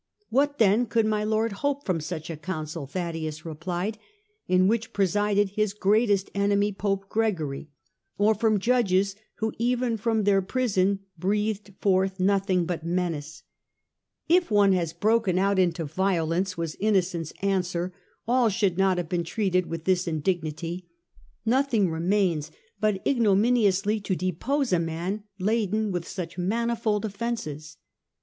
" What then could my Lord hope from such a council," Thaddaeus replied, " in which presided his greatest enemy, Pope Gregory, or from judges who even from their prison breathed forth nothing but menace ?"" If one has broken out into violence," was Innocent's answer, " all should not have been treated with this indignity. Nothing remains but ignominiously to depose a man laden with such manifold offences."